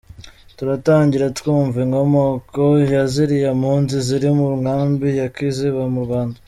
Turatangira twumva inkomoko ya ziriya mpunzi ziri mu nkambi ya Kiziba mu Rwanda.